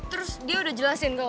terus dia udah jelasin kok